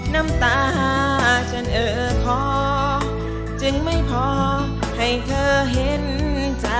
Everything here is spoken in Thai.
น้ำตาฉันเออขอจึงไม่พอให้เธอเห็นใจ